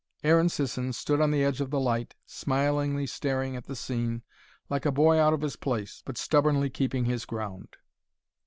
Aaron Sisson stood on the edge of the light, smilingly staring at the scene, like a boy out of his place, but stubbornly keeping his ground.